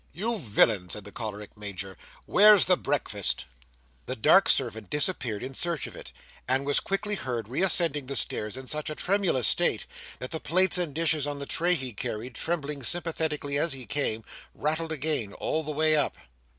"You villain!" said the choleric Major, "where's the breakfast?" The dark servant disappeared in search of it, and was quickly heard reascending the stairs in such a tremulous state, that the plates and dishes on the tray he carried, trembling sympathetically as he came, rattled again, all the way up.